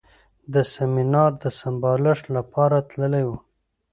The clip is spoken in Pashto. د سیمینار د سمبالښت لپاره تللی و.